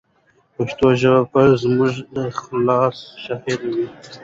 پښتو ژبه به زموږ د اخلاص شاهده وي.